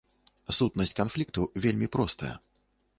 Сутнасць канфлікту вельмі простая.